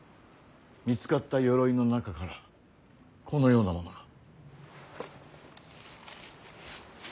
見つかった鎧の中からこのようなものが。